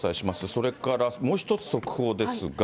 それから、もう一つ速報ですが。